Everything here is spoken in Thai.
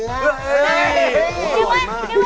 คิดว่าจะเล่นแหน่มต้มจิ๋วสิ